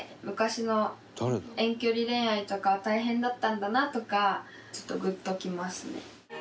昔の遠距離恋愛とかは大変だったんだなとかちょっとグッときますね。